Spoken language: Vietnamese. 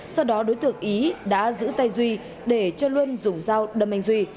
sau đó đối tượng ý đã giữ tay duy để cho luân dùng dao đâm anh duy